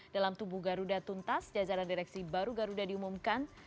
dalam tubuh garuda tuntas jajaran direksi baru garuda diumumkan